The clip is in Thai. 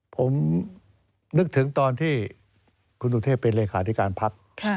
ผมนึกถึงตอนที่คุณสุเทพเป็นเลขาธิการพัก